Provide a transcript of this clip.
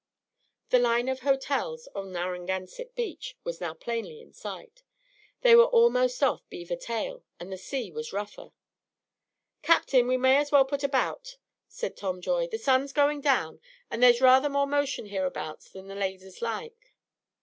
The line of hotels on Narragansett Beach was now plainly in sight. They were almost off Beaver Tail, and the sea was rougher. "Captain, we may as well put about," said Tom Joy. "The sun's going down, and there's rather more motion hereabouts than the ladies like."